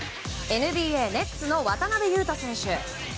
ＮＢＡ、ネッツの渡邊雄太選手。